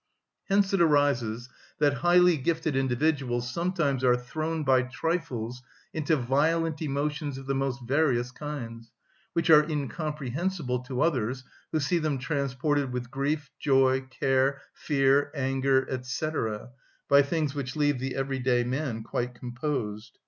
Hence it arises that highly gifted individuals sometimes are thrown by trifles into violent emotions of the most various kinds, which are incomprehensible to others, who see them transported with grief, joy, care, fear, anger, &c., by things which leave the every‐day man quite composed.